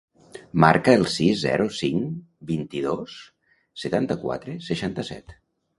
Marca el sis, zero, cinc, vint-i-dos, setanta-quatre, seixanta-set.